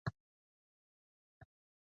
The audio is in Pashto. په لیرې پرتو سیمو کې ښوونځي جوړیږي.